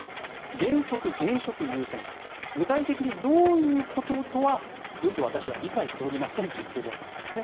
原則現職優先ですと具体的にどういうこととはよく私は理解しておりませんと言っているわけなんですね。